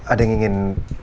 ada yang ingin